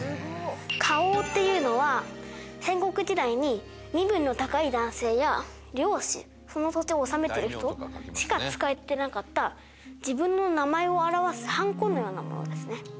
「花押」っていうのは戦国時代に身分の高い男性や領主その土地を治めている人しか使ってなかった自分の名前を表すハンコのようなものですね。